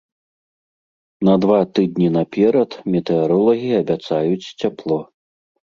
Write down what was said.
На два тыдні наперад метэаролагі абяцаюць цяпло.